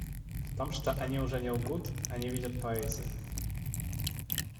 В том, что они уже не лгут, они видят поэзию.